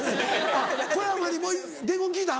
あっ小山に伝言聞いた？